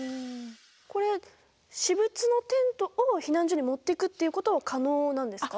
これ私物のテントを避難所に持っていくっていうことは可能なんですか？